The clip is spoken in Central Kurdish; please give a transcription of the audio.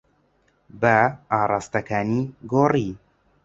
با ئاراستەکانی گۆڕی.